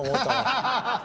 ハハハハハ。